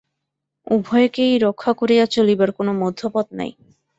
উভয়কেই রক্ষা করিয়া চলিবার কোনো মধ্যপথ নাই।